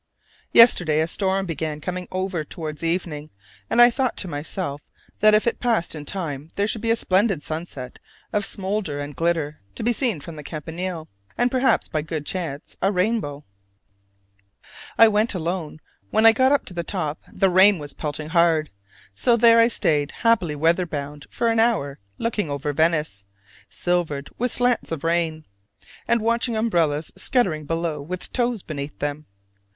Yesterday a storm began coming over towards evening, and I thought to myself that if it passed in time there should be a splendid sunset of smolder and glitter to be seen from the Campanile, and perhaps by good chance a rainbow. I went alone: when I got to the top the rain was pelting hard; so there I stayed happily weather bound for an hour looking over Venice "silvered with slants of rain," and watching umbrellas scuttering below with toes beneath them.